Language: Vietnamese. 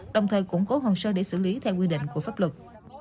đồng thời cũng cố hòn sơ để xử lý theo quy định của pháp luật